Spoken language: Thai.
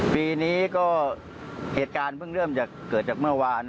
ปีนี้ก็เหตุการณ์เพิ่งเริ่มจะเกิดจากเมื่อวาน